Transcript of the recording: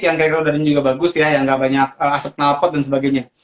yang kayak rodanya juga bagus ya yang gak banyak asap nalpot dan sebagainya